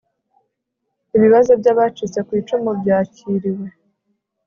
ibibazo by abacitse ku icumu byakiriwe